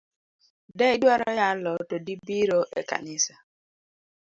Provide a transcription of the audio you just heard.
De idwaro yalo to dibiro ekanisa.